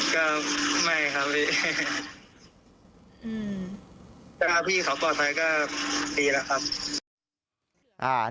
ก็ไม่ครับพี่แต่พี่เขาปลอดภัยก็ดีแล้วครับ